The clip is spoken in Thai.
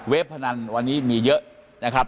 พนันวันนี้มีเยอะนะครับ